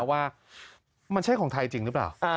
ว่ามันใช่ของไทยจริงหรือเปล่า